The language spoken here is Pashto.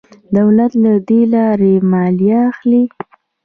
دولت له دې لارې مالیه اخلي.